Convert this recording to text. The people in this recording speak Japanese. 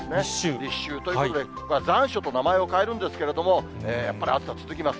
立秋ということで、残暑と名前を変えるんですけれども、やっぱり暑さ続きます。